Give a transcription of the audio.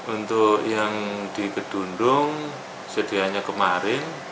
untuk yang digerundung sedihannya kemarin